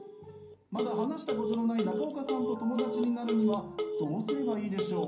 まだ話したことのない中岡さんと友達になるにはどうすればいいでしょう？